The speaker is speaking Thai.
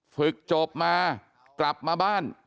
ฝึกจบมากลับมาบ้าน